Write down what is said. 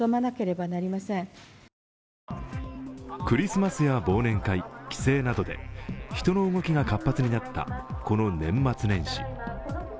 クリスマスや忘年会、帰省などで人の動きが活発になった、この年末年始。